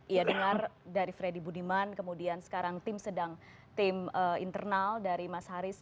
iya dengar dari freddy budiman kemudian sekarang tim sedang tim internal dari mas haris